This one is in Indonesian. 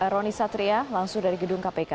roni satria langsung dari gedung kpk